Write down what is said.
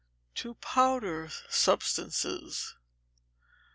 To Powder Substances.